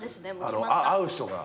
会う人が。